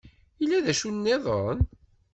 Yella d acu-nniḍen?